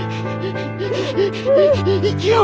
生きよう！